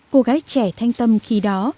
cô gái trẻ thanh tâm khi đó